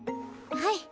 はい。